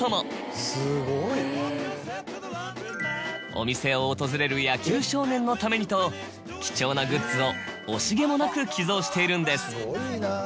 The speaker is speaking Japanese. お店を訪れる野球少年のためにと貴重なグッズを惜しげもなく寄贈しているんです。